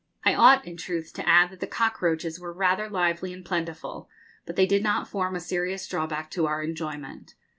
I ought, in truth, to add that the cockroaches were rather lively and plentiful, but they did not form a serious drawback to our enjoyment.